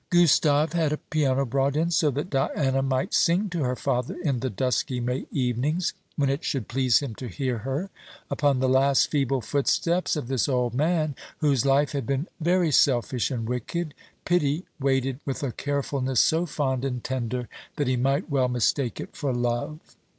Gustave had a piano brought in, so that Diana might sing to her father in the dusky May evenings, when it should please him to hear her. Upon the last feeble footsteps of this old man, whose life had been very selfish and wicked, pity waited with a carefulness so fond and tender that he might well mistake it for love.